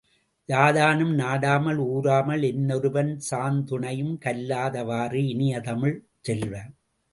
யாதானும் நாடாமால் ஊராமல் என்னொருவன் சாந்துணையும் கல்லாத வாறு இனிய தமிழ்ச் செல்வ!